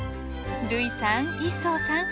類さん一双さん